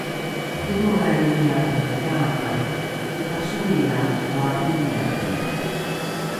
dholrolraimia’e kaamai ’ipasolria voa’imia’e